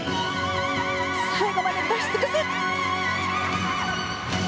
最後まで出し尽くす！